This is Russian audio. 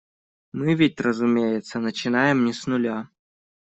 Мы ведь, разумеется, начинаем не с нуля.